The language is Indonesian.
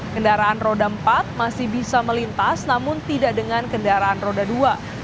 kendaraan roda empat masih bisa melintas namun tidak dengan kendaraan roda dua